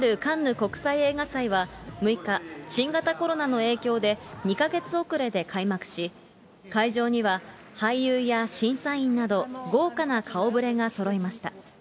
国際映画祭は６日、新型コロナの影響で、２か月遅れで開幕し、会場には俳優や審査員など、豪華な顔ぶれがそろいました。